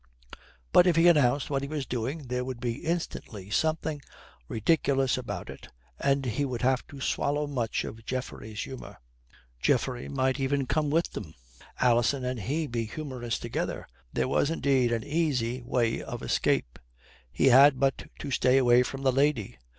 But if he announced what he was doing, there would be instantly something ridiculous about it, and he would have to swallow much of Geoffrey's humour. Geoffrey might even come with them, and Alison and he be humorous together a fate intolerable. There was indeed an easy way of escape. He had but to stay away from the lady.